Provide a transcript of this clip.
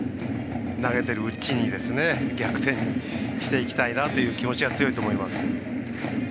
投げているうちに逆転していきたいなという気持ちは強いと思います。